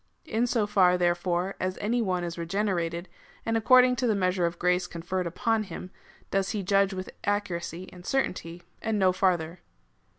In so far, therefore, as any one is regene rated, and according to the measure of grace conferred upon him, does he judge with accuracy and certainty, and no farther.